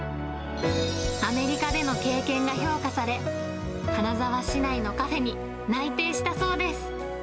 アメリカでの経験が評価され、金沢市内のカフェに内定したそうです。